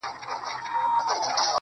• ما ستا لپاره په خزان کي هم کرل گلونه_